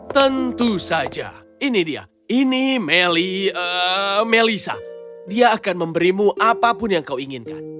tentu saja ini dia ini melisa dia akan memberimu apapun yang kau inginkan